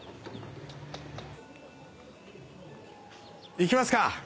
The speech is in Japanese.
行きますか！